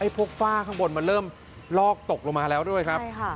พวกฝ้าข้างบนมันเริ่มลอกตกลงมาแล้วด้วยครับใช่ค่ะ